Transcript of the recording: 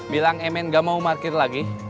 bilang emen gak mau parkir lagi